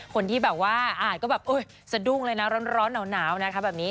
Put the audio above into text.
คนที่อ่านก็แบบสะดุงเลยนะร้อนหนาวแบบนี้